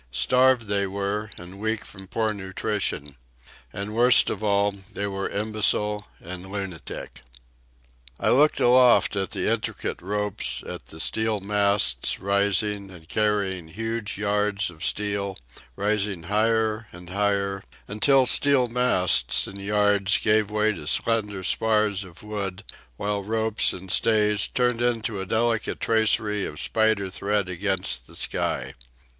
Starved they were, and weak from poor nutrition. And worst of all, they were imbecile and lunatic. I looked aloft at the intricate ropes, at the steel masts rising and carrying huge yards of steel, rising higher and higher, until steel masts and yards gave way to slender spars of wood, while ropes and stays turned into a delicate tracery of spider thread against the sky.